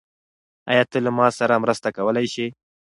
آیا ته له ما سره مرسته کولی شې؟